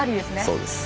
そうです。